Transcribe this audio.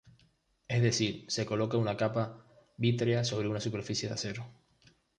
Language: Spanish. Es decir, se coloca una capa vítrea sobre una superficie de acero.